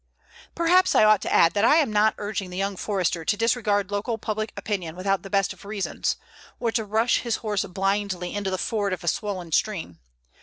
Perhaps I ought to add that I am not urging the young Forester to disregard local public opinion without the best of reasons, or to rush his horse blindly into the ford of a swollen stream.